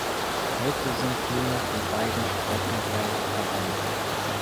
Heute sind nur noch die beiden Streckengleise vorhanden.